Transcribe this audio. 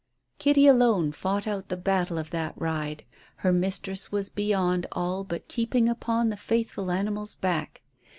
Kitty alone fought out the battle of that ride; her mistress was beyond all but keeping upon the faithful animal's back.